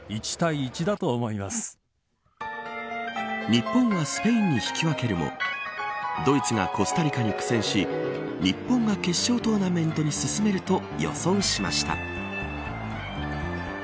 日本がスペインに引き分けるもドイツがコスタリカに苦戦し日本が決勝トーナメントに進めると予想しました。